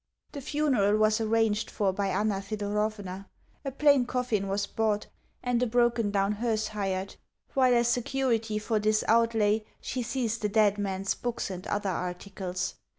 The funeral was arranged for by Anna Thedorovna. A plain coffin was bought, and a broken down hearse hired; while, as security for this outlay, she seized the dead man's books and other articles.